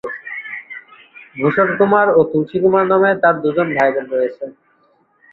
ভূষণ কুমার ও তুলসী কুমার নামে তার দু'জন ভাইবোন রয়েছে।